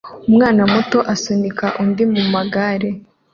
Umwana muto asunika undi mumagare